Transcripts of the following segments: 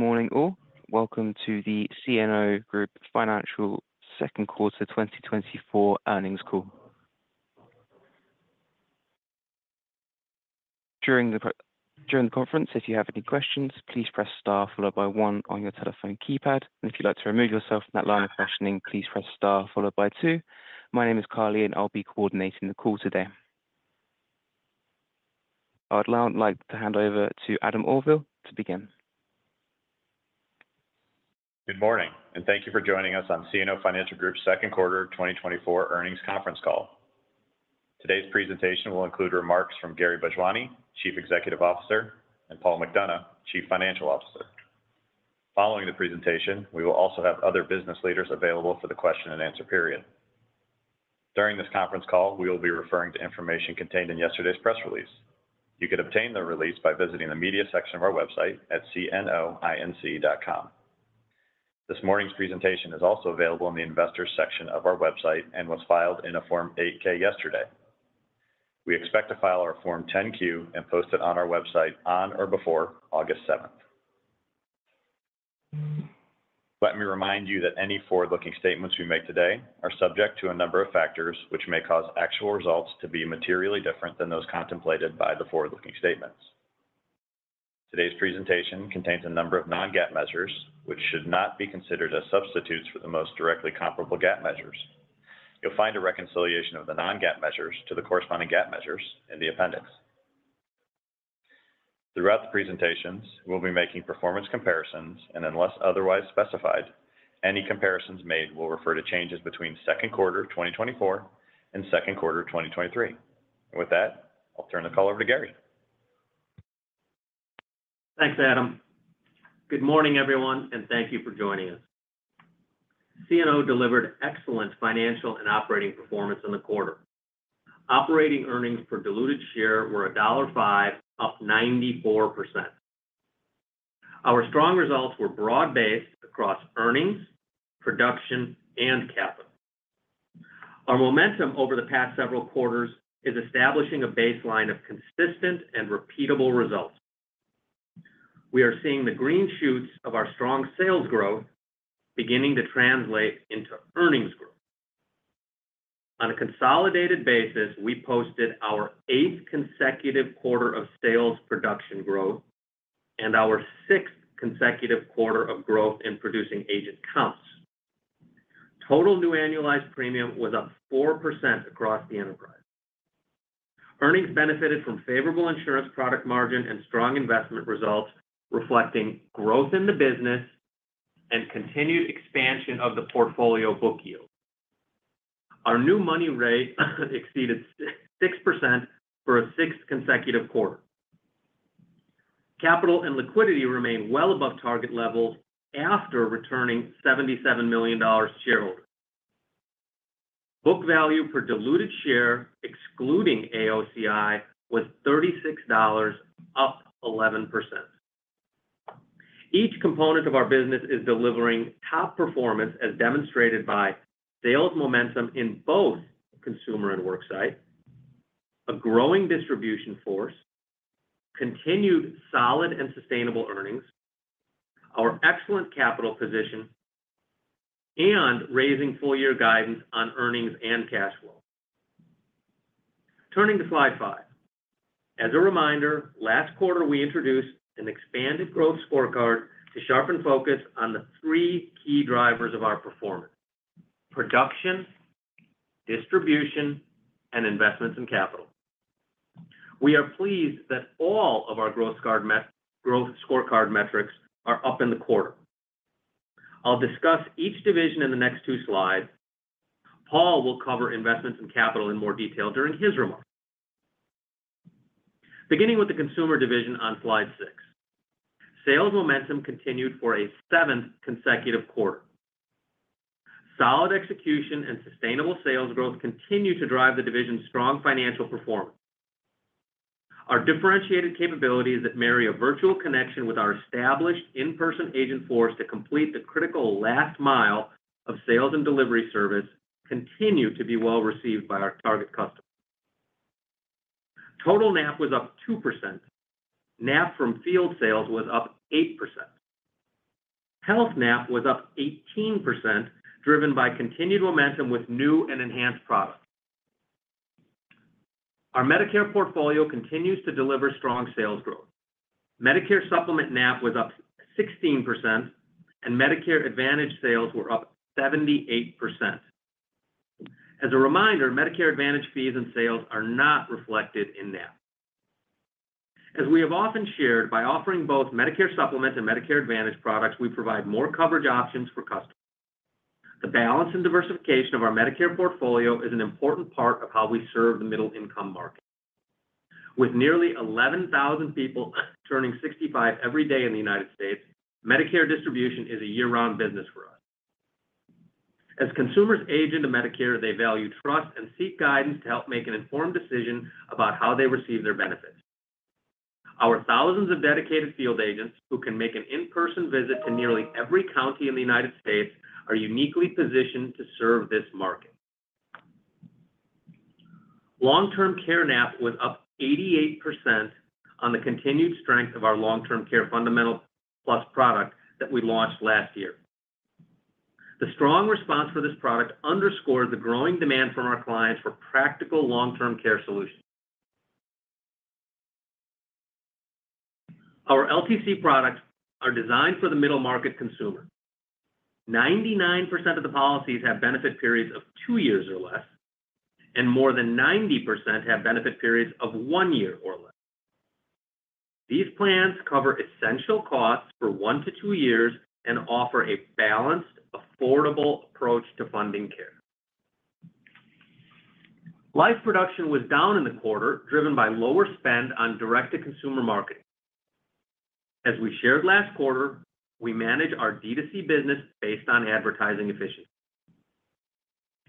Good morning, all. Welcome to the CNO Financial Group Second Quarter 2024 earnings call. During the conference, if you have any questions, please press star followed by one on your telephone keypad. If you'd like to remove yourself from that line of questioning, please press star followed by two. My name is Carly, and I'll be coordinating the call today. I'd now like to hand over to Adam Auvil to begin. Good morning, and thank you for joining us on CNO Financial Group Second Quarter 2024 earnings conference call. Today's presentation will include remarks from Gary Bhojwani, Chief Executive Officer, and Paul McDonough, Chief Financial Officer. Following the presentation, we will also have other business leaders available for the question-and-answer period. During this conference call, we will be referring to information contained in yesterday's press release. You can obtain the release by visiting the media section of our website at cnoinc.com. This morning's presentation is also available in the investors' section of our website and was filed in a Form 8-K yesterday. We expect to file our Form 10-Q and post it on our website on or before August 7th. Let me remind you that any forward-looking statements we make today are subject to a number of factors which may cause actual results to be materially different than those contemplated by the forward-looking statements. Today's presentation contains a number of non-GAAP measures which should not be considered as substitutes for the most directly comparable GAAP measures. You'll find a reconciliation of the non-GAAP measures to the corresponding GAAP measures in the appendix. Throughout the presentations, we'll be making performance comparisons, and unless otherwise specified, any comparisons made will refer to changes between Second Quarter 2024 and Second Quarter 2023. With that, I'll turn the call over to Gary. Thanks, Adam. Good morning, everyone, and thank you for joining us. CNO delivered excellent financial and operating performance in the quarter. Operating earnings per diluted share were $1.05, up 94%. Our strong results were broad-based across earnings, production, and capital. Our momentum over the past several quarters is establishing a baseline of consistent and repeatable results. We are seeing the green shoots of our strong sales growth beginning to translate into earnings growth. On a consolidated basis, we posted our eighth consecutive quarter of sales production growth and our sixth consecutive quarter of growth in producing agent counts. Total new annualized premium was up 4% across the enterprise. Earnings benefited from favorable insurance product margin and strong investment results reflecting growth in the business and continued expansion of the portfolio book yield. Our new money rate exceeded 6% for a sixth consecutive quarter. Capital and liquidity remain well above target levels after returning $77 million to shareholders. Book value per diluted share, excluding AOCI, was $36, up 11%. Each component of our business is delivering top performance as demonstrated by sales momentum in both consumer and worksite, a growing distribution force, continued solid and sustainable earnings, our excellent capital position, and raising full-year guidance on earnings and cash flow. Turning to slide five. As a reminder, last quarter we introduced an expanded growth scorecard to sharpen focus on the three key drivers of our performance: production, distribution, and investments in capital. We are pleased that all of our growth scorecard metrics are up in the quarter. I'll discuss each division in the next two slides. Paul will cover investments in capital in more detail during his remarks. Beginning with the consumer division on slide six, sales momentum continued for a seventh consecutive quarter. Solid execution and sustainable sales growth continue to drive the division's strong financial performance. Our differentiated capabilities that marry a virtual connection with our established in-person agent force to complete the critical last mile of sales and delivery service continue to be well received by our target customers. Total NAP was up 2%. NAP from field sales was up 8%. Health NAP was up 18%, driven by continued momentum with new and enhanced products. Our Medicare portfolio continues to deliver strong sales growth. Medicare Supplement NAP was up 16%, and Medicare Advantage sales were up 78%. As a reminder, Medicare Advantage fees and sales are not reflected in NAP. As we have often shared, by offering both Medicare Supplement and Medicare Advantage products, we provide more coverage options for customers. The balance and diversification of our Medicare portfolio is an important part of how we serve the middle-income market. With nearly 11,000 people turning 65 every day in the United States, Medicare distribution is a year-round business for us. As consumers age into Medicare, they value trust and seek guidance to help make an informed decision about how they receive their benefits. Our thousands of dedicated field agents who can make an in-person visit to nearly every county in the United States are uniquely positioned to serve this market. Long-term care NAP was up 88% on the continued strength of our long-term care Fundamental+ product that we launched last year. The strong response for this product underscored the growing demand from our clients for practical long-term care solutions. Our LTC products are designed for the middle-market consumer. 99% of the policies have benefit periods of two years or less, and more than 90% have benefit periods of one year or less. These plans cover essential costs for one to two years and offer a balanced, affordable approach to funding care. Life production was down in the quarter, driven by lower spend on direct-to-consumer marketing. As we shared last quarter, we manage our D2C business based on advertising efficiency.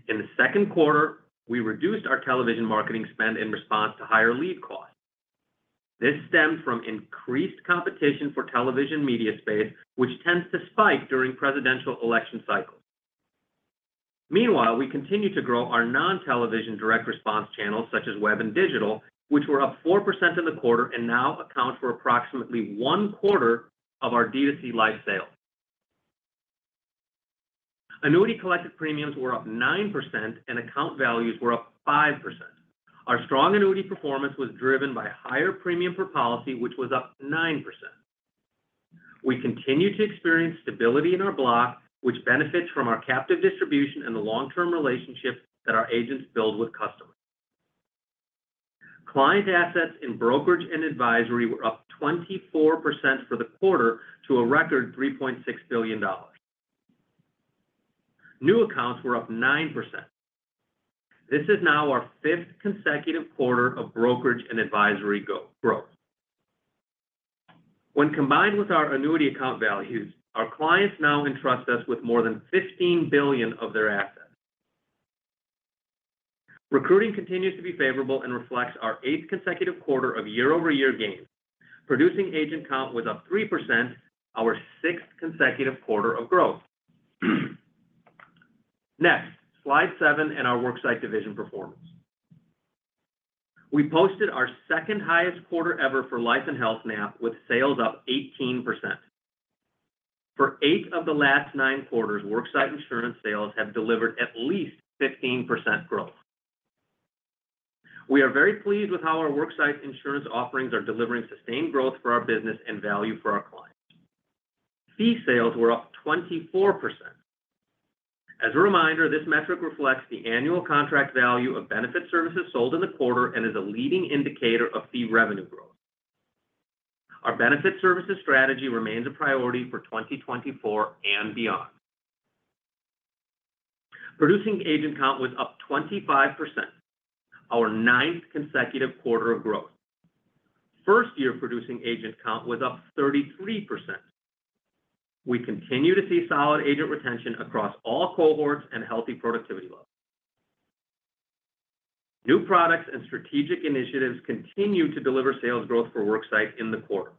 In the second quarter, we reduced our television marketing spend in response to higher lead costs. This stemmed from increased competition for television media space, which tends to spike during presidential election cycles. Meanwhile, we continue to grow our non-television direct response channels such as web and digital, which were up 4% in the quarter and now account for approximately one quarter of our D2C life sales. Annuity collected premiums were up 9%, and account values were up 5%. Our strong annuity performance was driven by higher premium per policy, which was up 9%. We continue to experience stability in our block, which benefits from our captive distribution and the long-term relationship that our agents build with customers. Client assets in brokerage and advisory were up 24% for the quarter to a record $3.6 billion. New accounts were up 9%. This is now our fifth consecutive quarter of brokerage and advisory growth. When combined with our annuity account values, our clients now entrust us with more than $15 billion of their assets. Recruiting continues to be favorable and reflects our eighth consecutive quarter of year-over-year gains. Producing agent count was up 3%, our sixth consecutive quarter of growth. Next, slide seven and our worksite division performance. We posted our second highest quarter ever for life and health NAP, with sales up 18%. For eight of the last nine quarters, worksite insurance sales have delivered at least 15% growth. We are very pleased with how our worksite insurance offerings are delivering sustained growth for our business and value for our clients. Fee sales were up 24%. As a reminder, this metric reflects the annual contract value of benefit services sold in the quarter and is a leading indicator of fee revenue growth. Our benefit services strategy remains a priority for 2024 and beyond. Producing agent count was up 25%, our ninth consecutive quarter of growth. First year producing agent count was up 33%. We continue to see solid agent retention across all cohorts and healthy productivity levels. New products and strategic initiatives continue to deliver sales growth for worksite in the quarter.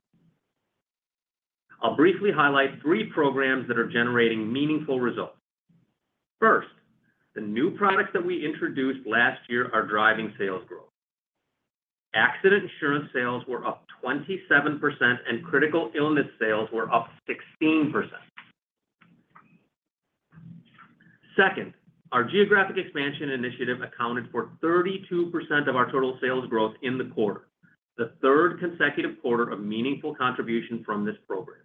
I'll briefly highlight three programs that are generating meaningful results. First, the new products that we introduced last year are driving sales growth. Accident insurance sales were up 27%, and critical illness sales were up 16%. Second, our geographic expansion initiative accounted for 32% of our total sales growth in the quarter, the third consecutive quarter of meaningful contribution from this program.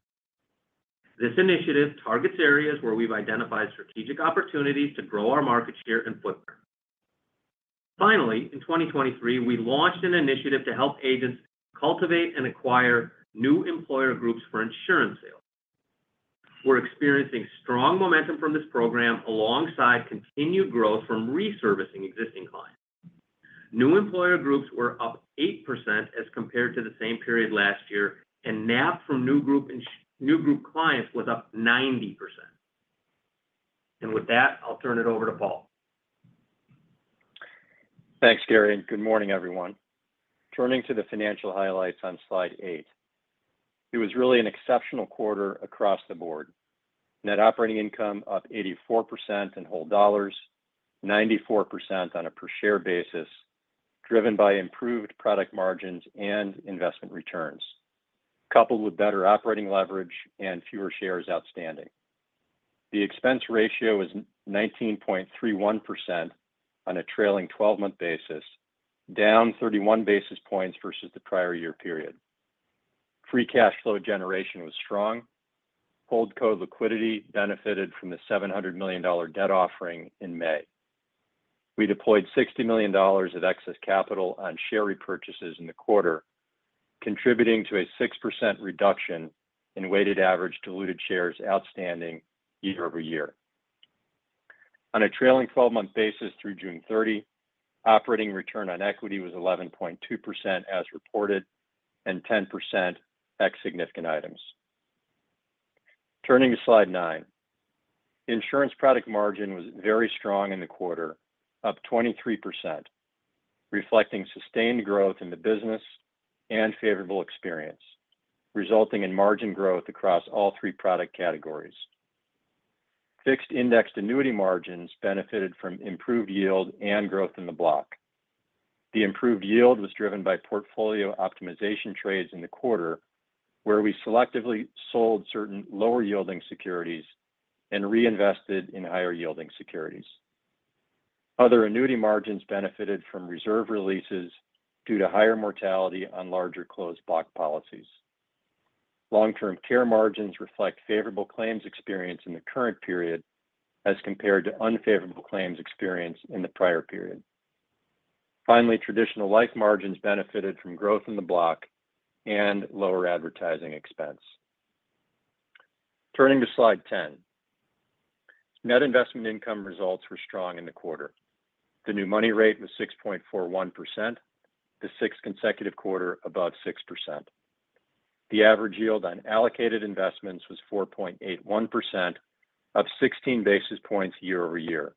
This initiative targets areas where we've identified strategic opportunities to grow our market share and footprint. Finally, in 2023, we launched an initiative to help agents cultivate and acquire new employer groups for insurance sales. We're experiencing strong momentum from this program alongside continued growth from reservicing existing clients. New employer groups were up 8% as compared to the same period last year, and NAP from new group clients was up 90%. And with that, I'll turn it over to Paul. Thanks, Gary. Good morning, everyone. Turning to the financial highlights on slide eight, it was really an exceptional quarter across the board. Net operating income up 84% in whole dollars, 94% on a per-share basis, driven by improved product margins and investment returns, coupled with better operating leverage and fewer shares outstanding. The expense ratio is 19.31% on a trailing 12-month basis, down 31 basis points versus the prior year period. Free cash flow generation was strong. Holdco liquidity benefited from the $700 million debt offering in May. We deployed $60 million of excess capital on share repurchases in the quarter, contributing to a 6% reduction in weighted average diluted shares outstanding year-over-year. On a trailing 12-month basis through June 30, operating return on equity was 11.2% as reported and 10% ex significant items. Turning to slide nine, insurance product margin was very strong in the quarter, up 23%, reflecting sustained growth in the business and favorable experience, resulting in margin growth across all three product categories. Fixed indexed annuity margins benefited from improved yield and growth in the block. The improved yield was driven by portfolio optimization trades in the quarter, where we selectively sold certain lower-yielding securities and reinvested in higher-yielding securities. Other annuity margins benefited from reserve releases due to higher mortality on larger closed block policies. Long-term care margins reflect favorable claims experience in the current period as compared to unfavorable claims experience in the prior period. Finally, traditional life margins benefited from growth in the block and lower advertising expense. Turning to slide 10, net investment income results were strong in the quarter. The new money rate was 6.41%, the sixth consecutive quarter above 6%. The average yield on allocated investments was 4.81%, up 16 basis points year-over-year.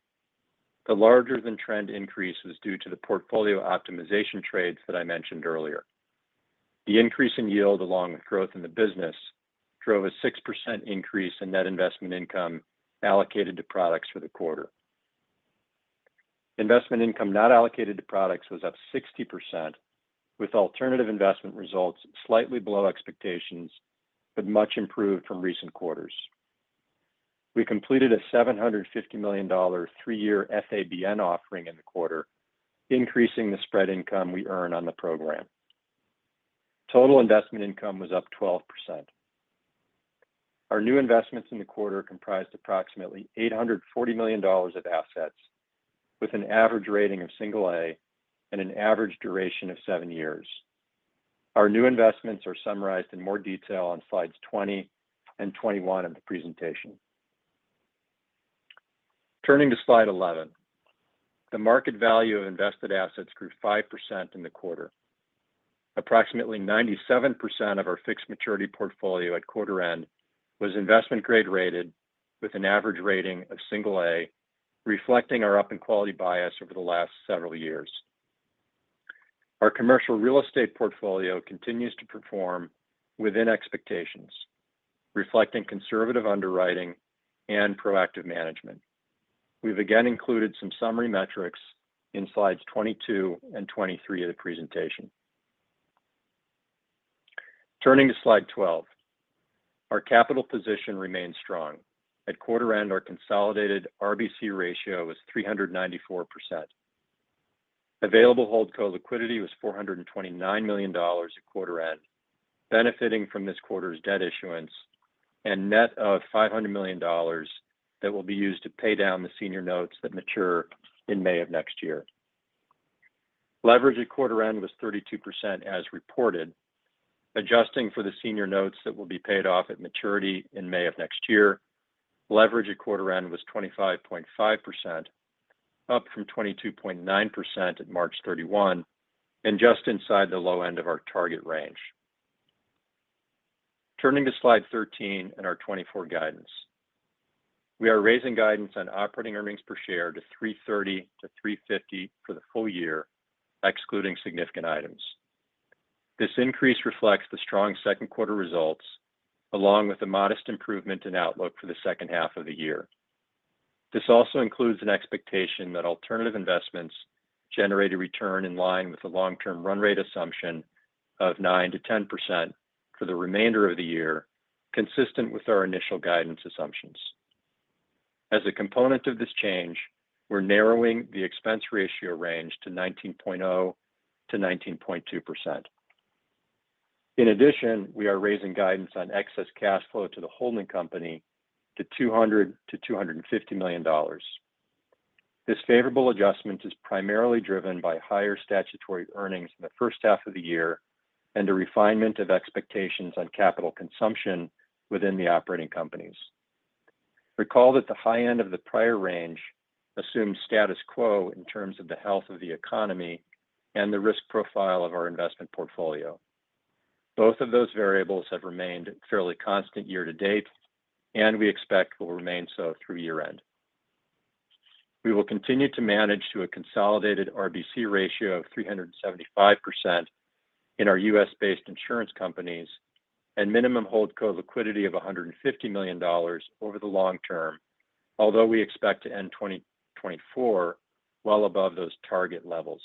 The larger-than-trend increase was due to the portfolio optimization trades that I mentioned earlier. The increase in yield, along with growth in the business, drove a 6% increase in net investment income allocated to products for the quarter. Investment income not allocated to products was up 60%, with alternative investment results slightly below expectations, but much improved from recent quarters. We completed a $750 million three-year FABN offering in the quarter, increasing the spread income we earn on the program. Total investment income was up 12%. Our new investments in the quarter comprised approximately $840 million of assets, with an average rating of single A and an average duration of seven years. Our new investments are summarized in more detail on slides 20 and 21 of the presentation. Turning to slide 11, the market value of invested assets grew 5% in the quarter. Approximately 97% of our fixed maturity portfolio at quarter end was investment-grade rated, with an average rating of single A, reflecting our up-and-quality bias over the last several years. Our commercial real estate portfolio continues to perform within expectations, reflecting conservative underwriting and proactive management. We've again included some summary metrics in slides 22 and 23 of the presentation. Turning to slide 12, our capital position remains strong. At quarter end, our consolidated RBC ratio was 394%. Available hold co-liquidity was $429 million at quarter end, benefiting from this quarter's debt issuance and net of $500 million that will be used to pay down the senior notes that mature in May of next year. Leverage at quarter end was 32% as reported, adjusting for the senior notes that will be paid off at maturity in May of next year. Leverage at quarter end was 25.5%, up from 22.9% at March 31, and just inside the low end of our target range. Turning to slide 13 in our 2024 guidance, we are raising guidance on operating earnings per share to $330-$350 for the full year, excluding significant items. This increase reflects the strong second quarter results, along with a modest improvement in outlook for the second half of the year. This also includes an expectation that alternative investments generate a return in line with the long-term run rate assumption of 9%-10% for the remainder of the year, consistent with our initial guidance assumptions. As a component of this change, we're narrowing the expense ratio range to 19.0%-19.2%. In addition, we are raising guidance on excess cash flow to the holding company to $200 million-$250 million. This favorable adjustment is primarily driven by higher statutory earnings in the first half of the year and a refinement of expectations on capital consumption within the operating companies. Recall that the high end of the prior range assumed status quo in terms of the health of the economy and the risk profile of our investment portfolio. Both of those variables have remained fairly constant year to date, and we expect will remain so through year end. We will continue to manage to a consolidated RBC ratio of 375% in our U.S.-based insurance companies and minimum hold co-liquidity of $150 million over the long term, although we expect to end 2024 well above those target levels.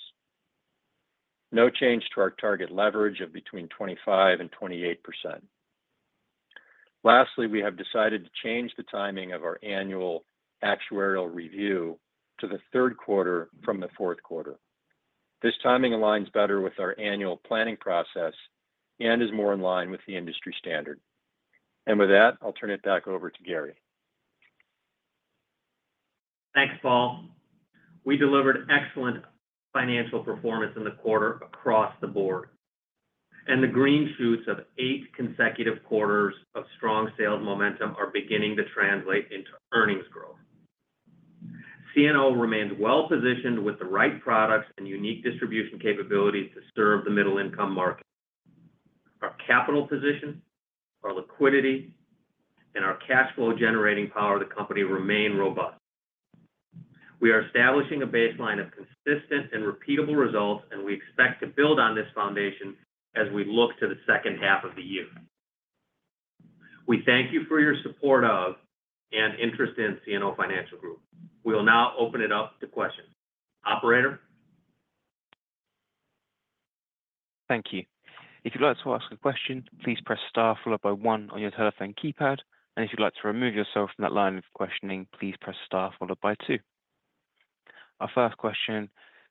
No change to our target leverage of between 25 and 28%. Lastly, we have decided to change the timing of our annual actuarial review to the third quarter from the fourth quarter. This timing aligns better with our annual planning process and is more in line with the industry standard. With that, I'll turn it back over to Gary. Thanks, Paul. We delivered excellent financial performance in the quarter across the board. The green shoots of eight consecutive quarters of strong sales momentum are beginning to translate into earnings growth. CNO remains well positioned with the right products and unique distribution capabilities to serve the middle-income market. Our capital position, our liquidity, and our cash flow-generating power of the company remain robust. We are establishing a baseline of consistent and repeatable results, and we expect to build on this foundation as we look to the second half of the year. We thank you for your support of and interest in CNO Financial Group. We will now open it up to questions. Operator? Thank you. If you'd like to ask a question, please press star followed by one on your telephone keypad. And if you'd like to remove yourself from that line of questioning, please press star followed by two. Our first question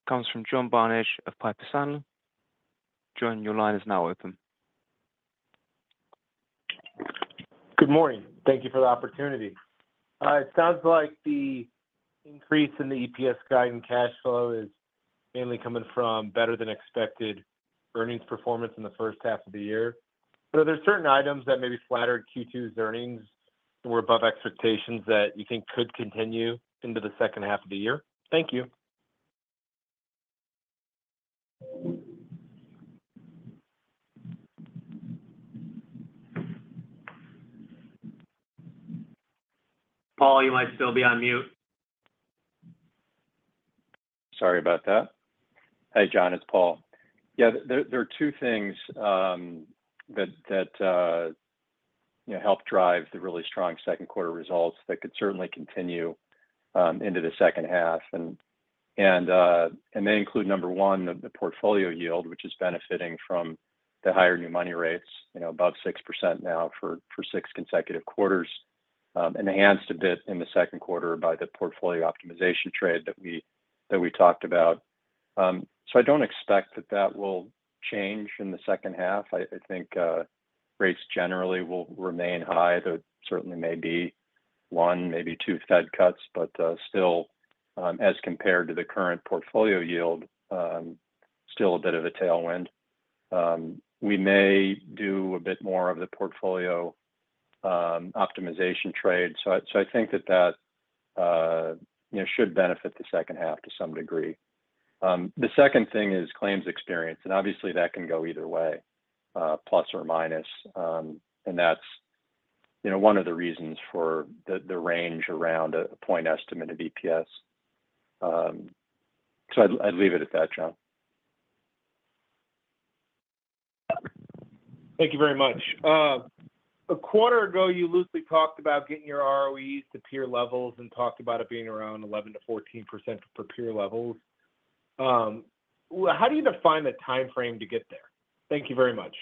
comes from John Barnidge of Piper Sandler. John, your line is now open. Good morning. Thank you for the opportunity. It sounds like the increase in the EPS guide and cash flow is mainly coming from better-than-expected earnings performance in the first half of the year. But are there certain items that maybe flattered Q2's earnings and were above expectations that you think could continue into the second half of the year? Thank you. Paul, you might still be on mute. Sorry about that. Hey, John, it's Paul. Yeah, there are two things that help drive the really strong second quarter results that could certainly continue into the second half. They include, number one, the portfolio yield, which is benefiting from the higher new money rates, above 6% now for six consecutive quarters, enhanced a bit in the second quarter by the portfolio optimization trade that we talked about. I don't expect that that will change in the second half. I think rates generally will remain high. There certainly may be one, maybe two Fed cuts, but still, as compared to the current portfolio yield, still a bit of a tailwind. We may do a bit more of the portfolio optimization trade. I think that that should benefit the second half to some degree. The second thing is claims experience. Obviously, that can go either way, plus or minus. That's one of the reasons for the range around a point estimate of EPS. I'd leave it at that, John. Thank you very much. A quarter ago, you loosely talked about getting your ROEs to peer levels and talked about it being around 11%-14% per peer levels. How do you define the time frame to get there? Thank you very much.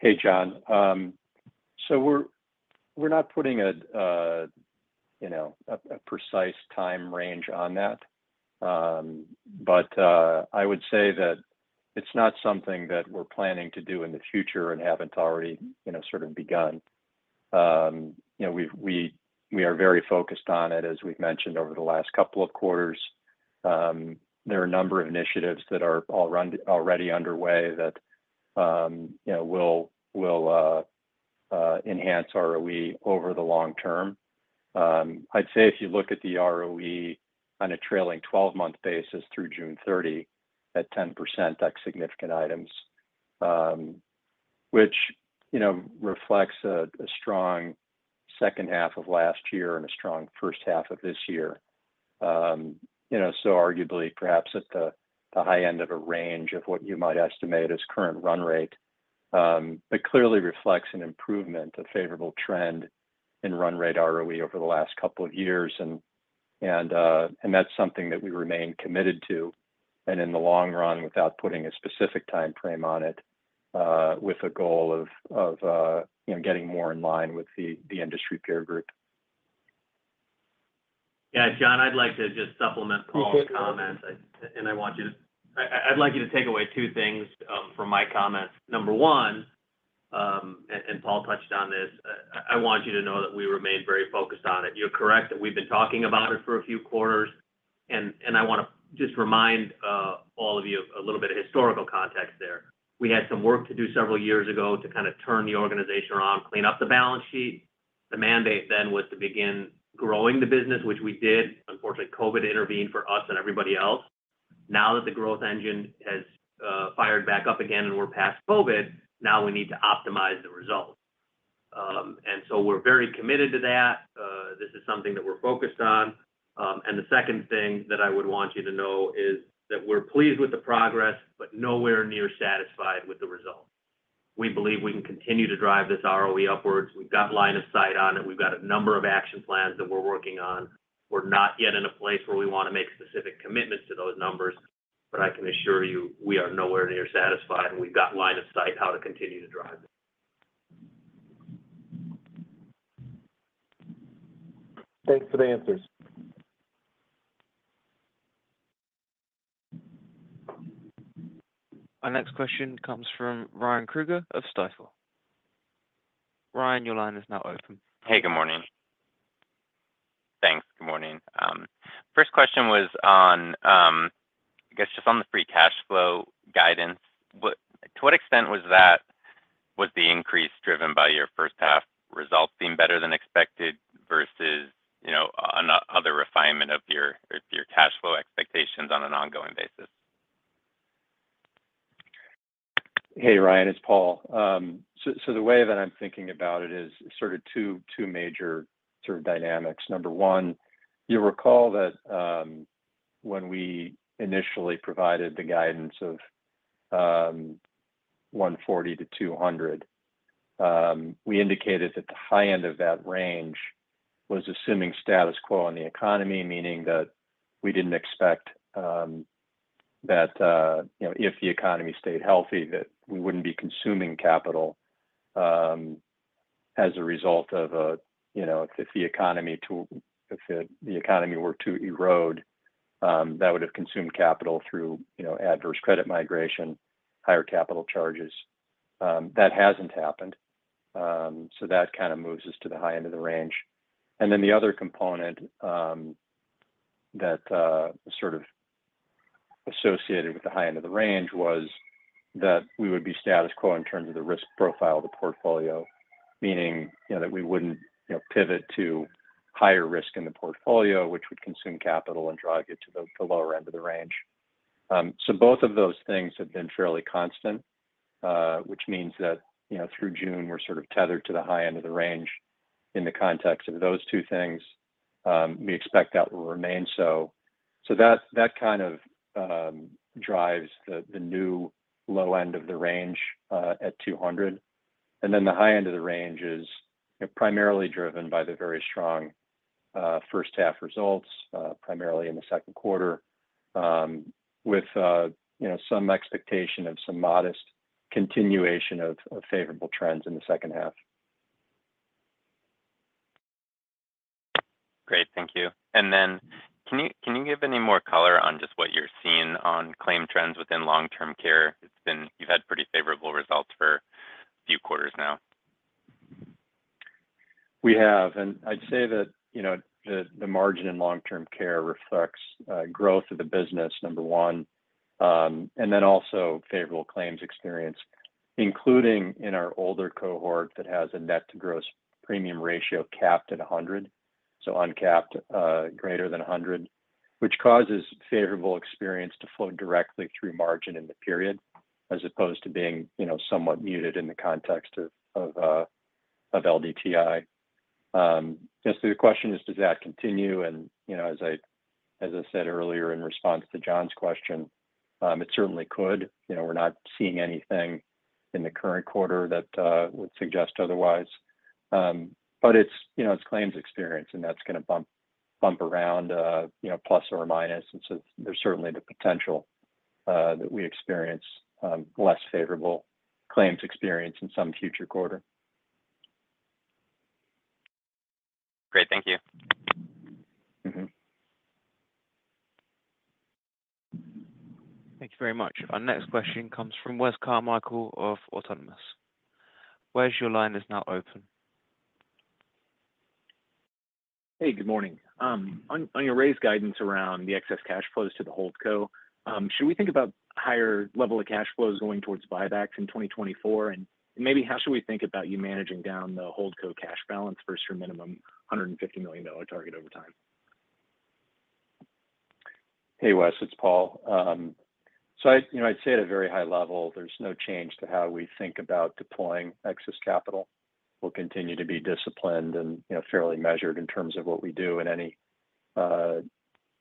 Hey, John. So we're not putting a precise time range on that. But I would say that it's not something that we're planning to do in the future and haven't already sort of begun. We are very focused on it, as we've mentioned, over the last couple of quarters. There are a number of initiatives that are already underway that will enhance ROE over the long term. I'd say if you look at the ROE on a trailing 12-month basis through June 30 at 10%, that's significant items, which reflects a strong second half of last year and a strong first half of this year. So arguably, perhaps at the high end of a range of what you might estimate as current run rate, but clearly reflects an improvement, a favorable trend in run rate ROE over the last couple of years. That's something that we remain committed to and in the long run without putting a specific time frame on it, with a goal of getting more in line with the industry peer group. Yeah, John, I'd like to just supplement Paul's comments. I'd like you to take away two things from my comments. Number one, and Paul touched on this, I want you to know that we remain very focused on it. You're correct that we've been talking about it for a few quarters. I want to just remind all of you a little bit of historical context there. We had some work to do several years ago to kind of turn the organization around, clean up the balance sheet. The mandate then was to begin growing the business, which we did. Unfortunately, COVID intervened for us and everybody else. Now that the growth engine has fired back up again and we're past COVID, now we need to optimize the results. So we're very committed to that. This is something that we're focused on. The second thing that I would want you to know is that we're pleased with the progress, but nowhere near satisfied with the results. We believe we can continue to drive this ROE upwards. We've got line of sight on it. We've got a number of action plans that we're working on. We're not yet in a place where we want to make specific commitments to those numbers. I can assure you we are nowhere near satisfied, and we've got line of sight how to continue to drive it. Thanks for the answers. Our next question comes from Ryan Krueger of Stifel. Ryan, your line is now open. Hey, good morning. Thanks. Good morning. First question was on, I guess, just on the free cash flow guidance. To what extent was the increase driven by your first-half results being better than expected versus another refinement of your cash flow expectations on an ongoing basis? Hey, Ryan, it's Paul. So the way that I'm thinking about it is sort of two major sort of dynamics. Number one, you'll recall that when we initially provided the guidance of 140-200, we indicated that the high end of that range was assuming status quo in the economy, meaning that we didn't expect that if the economy stayed healthy, that we wouldn't be consuming capital as a result of if the economy were to erode, that would have consumed capital through adverse credit migration, higher capital charges. That hasn't happened. So that kind of moves us to the high end of the range. Then the other component that was sort of associated with the high end of the range was that we would be status quo in terms of the risk profile of the portfolio, meaning that we wouldn't pivot to higher risk in the portfolio, which would consume capital and drive you to the lower end of the range. Both of those things have been fairly constant, which means that through June, we're sort of tethered to the high end of the range in the context of those two things. We expect that will remain so. That kind of drives the new low end of the range at 200. Then the high end of the range is primarily driven by the very strong first-half results, primarily in the second quarter, with some expectation of some modest continuation of favorable trends in the second half. Great. Thank you. And then can you give any more color on just what you're seeing on claim trends within long-term care? You've had pretty favorable results for a few quarters now. We have. And I'd say that the margin in long-term care reflects growth of the business, number one, and then also favorable claims experience, including in our older cohort that has a net-to-gross premium ratio capped at 100, so uncapped greater than 100, which causes favorable experience to flow directly through margin in the period as opposed to being somewhat muted in the context of LDTI. So the question is, does that continue? And as I said earlier in response to John's question, it certainly could. We're not seeing anything in the current quarter that would suggest otherwise. But it's claims experience, and that's going to bump around plus or minus. And so there's certainly the potential that we experience less favorable claims experience in some future quarter. Great. Thank you. Thank you very much. Our next question comes from Wes Carmichael of Autonomous. Wes, your line is now open. Hey, good morning. On your raise guidance around the excess cash flows to the hold co, should we think about higher level of cash flows going towards buybacks in 2024? And maybe how should we think about you managing down the hold co cash balance versus your minimum $150 million target over time? Hey, Wes, it's Paul. So I'd say at a very high level, there's no change to how we think about deploying excess capital. We'll continue to be disciplined and fairly measured in terms of what we do in any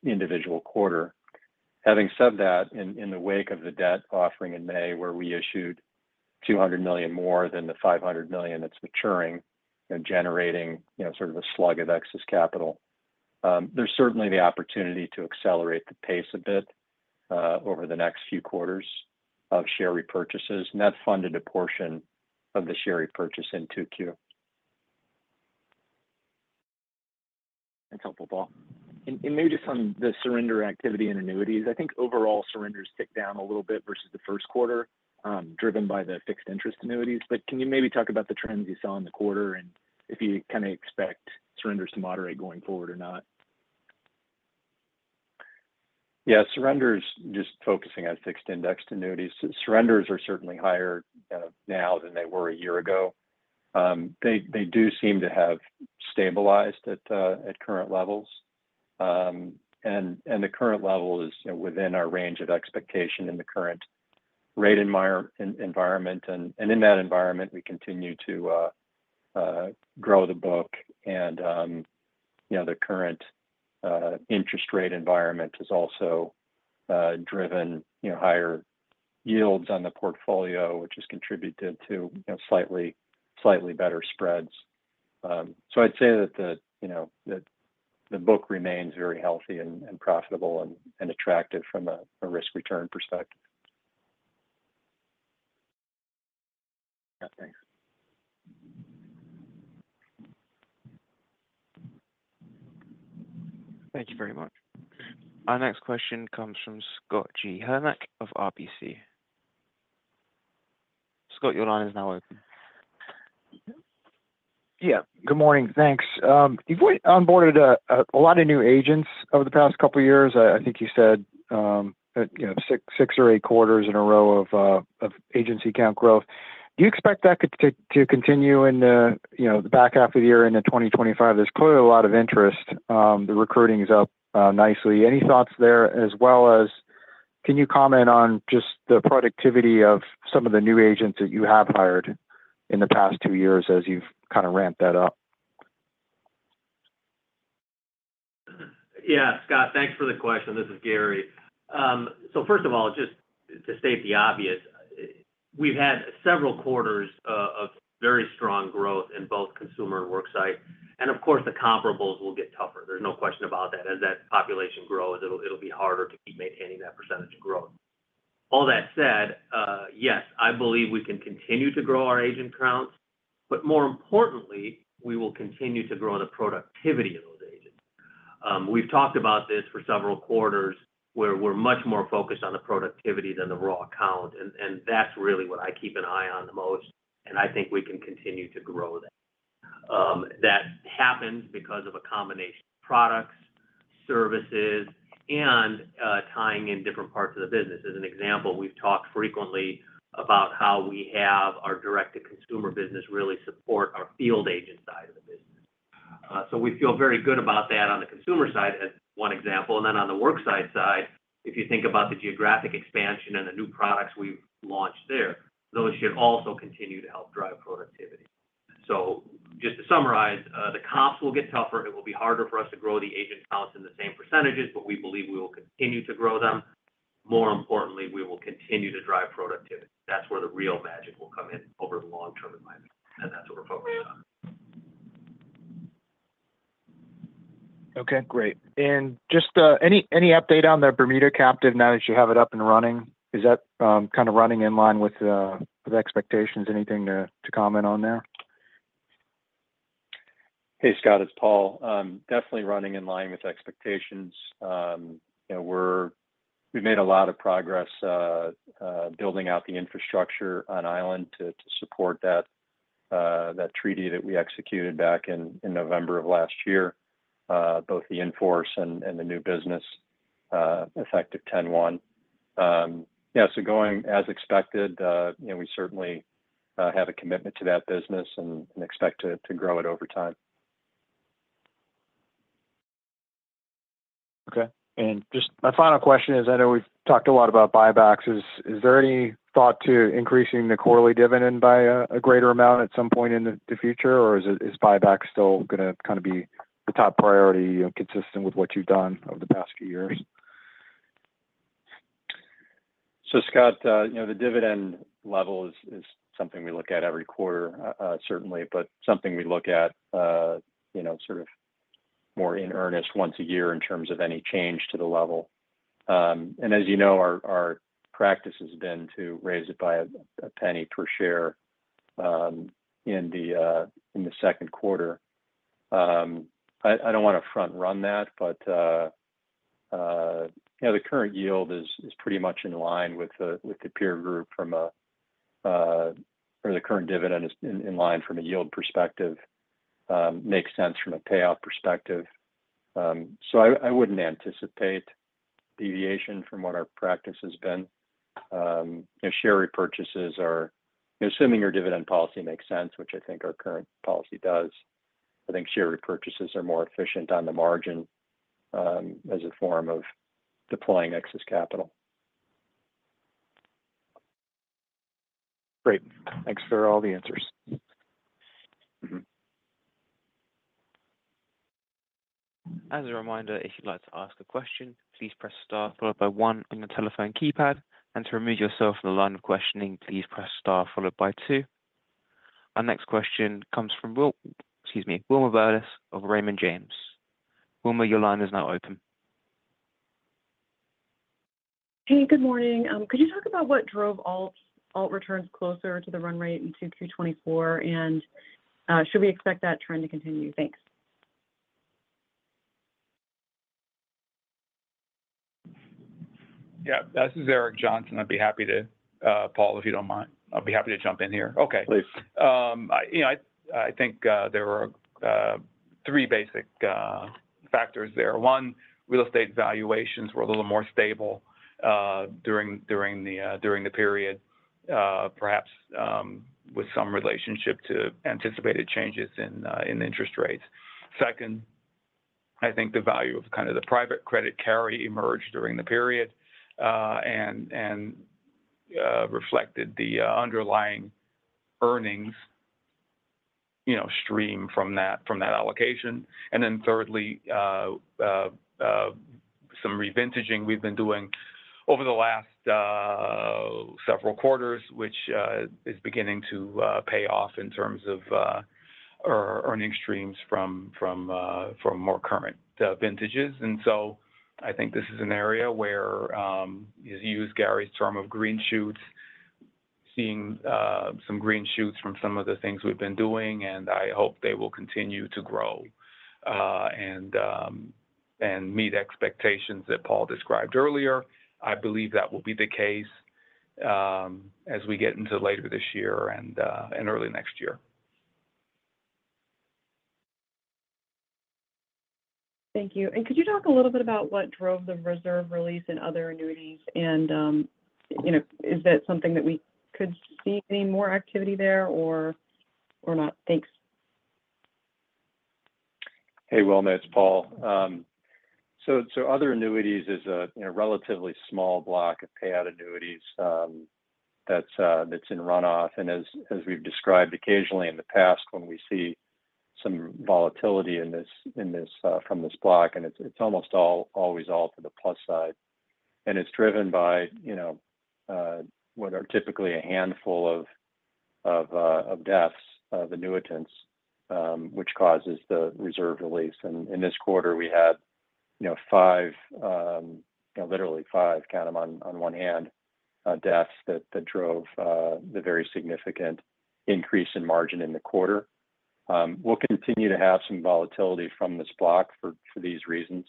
individual quarter. Having said that, in the wake of the debt offering in May, where we issued $200 million more than the $500 million that's maturing and generating sort of a slug of excess capital, there's certainly the opportunity to accelerate the pace a bit over the next few quarters of share repurchases. And that's funded a portion of the share repurchase in Q2. Thanks, Paul. Maybe just on the surrender activity and annuities, I think overall surrenders ticked down a little bit versus the first quarter, driven by the fixed interest annuities. Can you maybe talk about the trends you saw in the quarter and if you kind of expect surrenders to moderate going forward or not? Yeah, surrenders just focusing on fixed indexed annuities. Surrenders are certainly higher now than they were a year ago. They do seem to have stabilized at current levels. The current level is within our range of expectation in the current rate environment. In that environment, we continue to grow the book. The current interest rate environment has also driven higher yields on the portfolio, which has contributed to slightly better spreads. So I'd say that the book remains very healthy and profitable and attractive from a risk-return perspective. Thanks. Thank you very much. Our next question comes from Scott Heleniak of RBC. Scott, your line is now open. Yeah. Good morning. Thanks. You've onboarded a lot of new agents over the past couple of years. I think you said 6 or 8 quarters in a row of agency account growth. Do you expect that to continue in the back half of the year into 2025? There's clearly a lot of interest. The recruiting is up nicely. Any thoughts there? As well as, can you comment on just the productivity of some of the new agents that you have hired in the past 2 years as you've kind of ramped that up? Yeah, Scott, thanks for the question. This is Gary. First of all, just to state the obvious, we've had several quarters of very strong growth in both consumer and worksite. Of course, the comparables will get tougher. There's no question about that. As that population grows, it'll be harder to keep maintaining that percentage of growth. All that said, yes, I believe we can continue to grow our agent counts. More importantly, we will continue to grow the productivity of those agents. We've talked about this for several quarters where we're much more focused on the productivity than the raw account. That's really what I keep an eye on the most. I think we can continue to grow that. That happens because of a combination of products, services, and tying in different parts of the business. As an example, we've talked frequently about how we have our direct-to-consumer business really support our field agent side of the business. So we feel very good about that on the consumer side as one example. And then on the worksite side, if you think about the geographic expansion and the new products we've launched there, those should also continue to help drive productivity. So just to summarize, the comps will get tougher. It will be harder for us to grow the agent counts in the same percentages, but we believe we will continue to grow them. More importantly, we will continue to drive productivity. That's where the real magic will come in over the long-term environment. And that's what we're focused on. Okay. Great. And just any update on the Bermuda captive now that you have it up and running? Is that kind of running in line with expectations? Anything to comment on there? Hey, Scott, it's Paul. Definitely running in line with expectations. We've made a lot of progress building out the infrastructure on Island to support that treaty that we executed back in November of last year, both the in-force and the new business effective 10/01. Yeah, so going as expected, we certainly have a commitment to that business and expect to grow it over time. Okay. Just my final question is, I know we've talked a lot about buybacks. Is there any thought to increasing the quarterly dividend by a greater amount at some point in the future? Or is buyback still going to kind of be the top priority consistent with what you've done over the past few years? So Scott, the dividend level is something we look at every quarter, certainly, but something we look at sort of more in earnest once a year in terms of any change to the level. And as you know, our practice has been to raise it by a penny per share in the second quarter. I don't want to front-run that, but the current yield is pretty much in line with the peer group from a or the current dividend is in line from a yield perspective, makes sense from a payout perspective. So I wouldn't anticipate deviation from what our practice has been. Share repurchases are assuming your dividend policy makes sense, which I think our current policy does. I think share repurchases are more efficient on the margin as a form of deploying excess capital. Great. Thanks for all the answers. As a reminder, if you'd like to ask a question, please press star followed by one on your telephone keypad. And to remove yourself from the line of questioning, please press star followed by two. Our next question comes from Wilma Burdis of Raymond James. Wilma, your line is now open. Hey, good morning. Could you talk about what drove Alt returns closer to the run rate in Q2 2024? And should we expect that trend to continue? Thanks. Yeah. This is Eric Johnson. I'd be happy to, Paul, if you don't mind. I'll be happy to jump in here. Okay, Please. I think there were three basic factors there. One, real estate valuations were a little more stable during the period, perhaps with some relationship to anticipated changes in interest rates. Second, I think the value of kind of the private credit carry emerged during the period and reflected the underlying earnings stream from that allocation. And then thirdly, some revintaging we've been doing over the last several quarters, which is beginning to pay off in terms of earning streams from more current vintages. And so I think this is an area where, as you used Gary's term of green shoots, seeing some green shoots from some of the things we've been doing, and I hope they will continue to grow and meet expectations that Paul described earlier. I believe that will be the case as we get into later this year and early next year. Thank you. Could you talk a little bit about what drove the reserve release in other annuities? Is that something that we could see any more activity there or not? Thanks. Hey, Wilma, it's Paul. So other annuities is a relatively small block of payout annuities that's in runoff. And as we've described, occasionally in the past, when we see some volatility from this block, and it's almost always all to the plus side. And it's driven by what are typically a handful of deaths, the nuance, which causes the reserve release. And in this quarter, we had literally five kind of on one hand deaths that drove the very significant increase in margin in the quarter. We'll continue to have some volatility from this block for these reasons.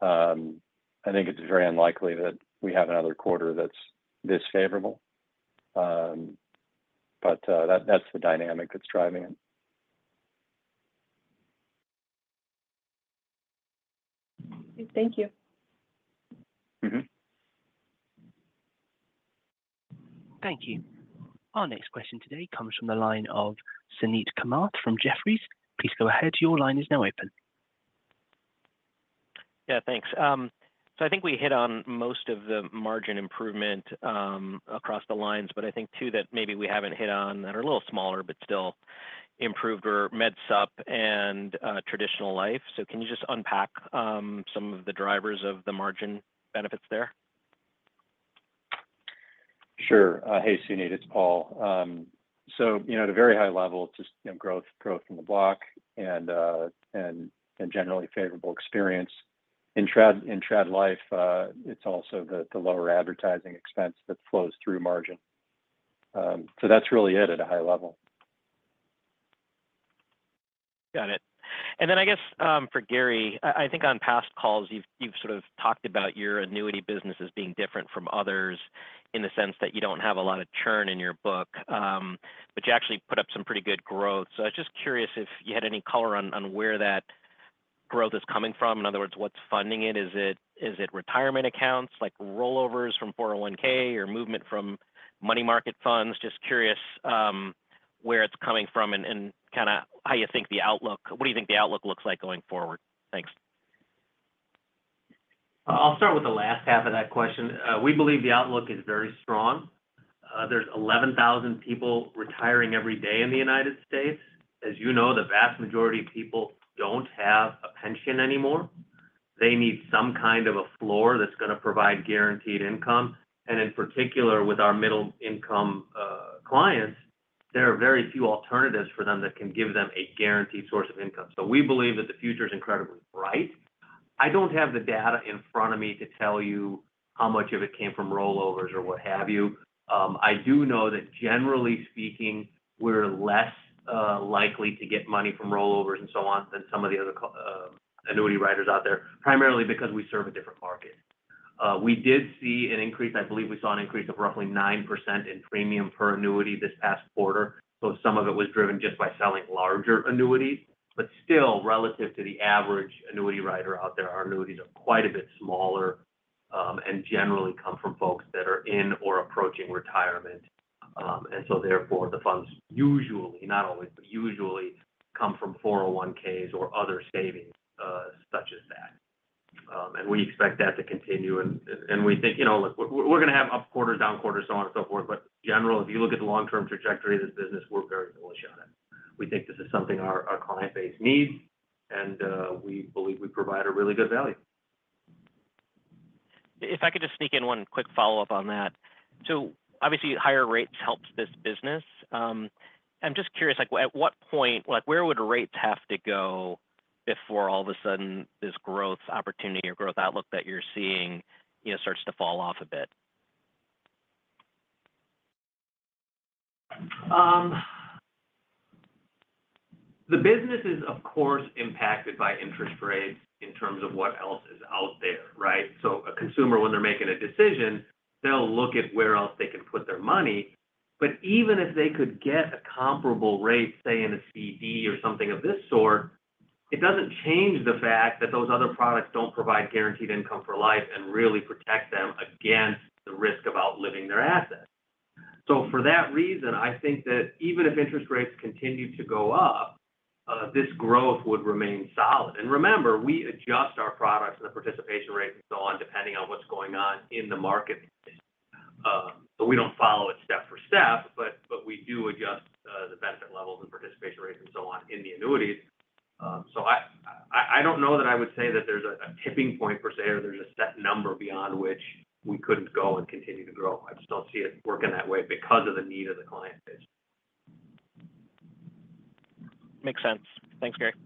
I think it's very unlikely that we have another quarter that's this favorable. But that's the dynamic that's driving it. Thank you. Thank you. Our next question today comes from the line of Suneet Kamath from Jefferies. Please go ahead. Your line is now open. Yeah, thanks. So I think we hit on most of the margin improvement across the lines, but I think two that maybe we haven't hit on that are a little smaller, but still improved were Med Supp and traditional life. So can you just unpack some of the drivers of the margin benefits there? Sure. Hey, Suneet, it's Paul. So at a very high level, just growth from the block and generally favorable experience. In trad life, it's also the lower advertising expense that flows through margin. So that's really it at a high level. Got it. And then I guess for Gary, I think on past calls, you've sort of talked about your annuity business as being different from others in the sense that you don't have a lot of churn in your book, but you actually put up some pretty good growth. So I was just curious if you had any color on where that growth is coming from. In other words, what's funding it? Is it retirement accounts like rollovers from 401(k) or movement from money market funds? Just curious where it's coming from and kind of what do you think the outlook looks like going forward? Thanks. I'll start with the last half of that question. We believe the outlook is very strong. There's 11,000 people retiring every day in the United States. As you know, the vast majority of people don't have a pension anymore. They need some kind of a floor that's going to provide guaranteed income. And in particular, with our middle-income clients, there are very few alternatives for them that can give them a guaranteed source of income. So we believe that the future is incredibly bright. I don't have the data in front of me to tell you how much of it came from rollovers or what have you. I do know that generally speaking, we're less likely to get money from rollovers and so on than some of the other annuity writers out there, primarily because we serve a different market. We did see an increase. I believe we saw an increase of roughly 9% in premium per annuity this past quarter. So some of it was driven just by selling larger annuities. But still, relative to the average annuity writer out there, our annuities are quite a bit smaller and generally come from folks that are in or approaching retirement. And so therefore, the funds usually, not always, but usually come from 401(k)s or other savings such as that. And we expect that to continue. And we think we're going to have up quarters, down quarters, so on and so forth. But in general, if you look at the long-term trajectory of this business, we're very bullish on it. We think this is something our client base needs, and we believe we provide a really good value. If I could just sneak in one quick follow-up on that. So obviously, higher rates helped this business. I'm just curious, at what point, where would rates have to go before all of a sudden this growth opportunity or growth outlook that you're seeing starts to fall off a bit? The business is, of course, impacted by interest rates in terms of what else is out there, right? So a consumer, when they're making a decision, they'll look at where else they can put their money. But even if they could get a comparable rate, say, in a CD or something of this sort, it doesn't change the fact that those other products don't provide guaranteed income for life and really protect them against the risk of outliving their assets. So for that reason, I think that even if interest rates continue to go up, this growth would remain solid. And remember, we adjust our products and the participation rate and so on depending on what's going on in the market. So we don't follow it step for step, but we do adjust the benefit levels and participation rates and so on in the annuities. I don't know that I would say that there's a tipping point per se or there's a set number beyond which we couldn't go and continue to grow. I just don't see it working that way because of the need of the client base. Makes sense. Thanks, Gary.